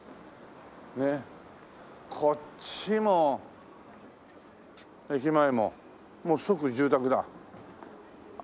こっちも駅前ももう即住宅だ。